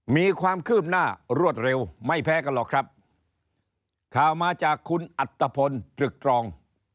มีความคืบหน้ารวดเร็วไม่แพ้กันหรอกครับข่าวมาจากคุณอัตภพลตรึกตรอง